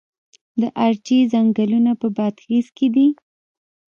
د ارچې ځنګلونه په بادغیس کې دي؟